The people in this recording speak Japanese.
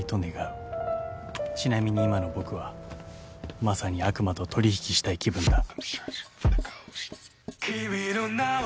［ちなみに今の僕はまさに悪魔と取引したい気分だ］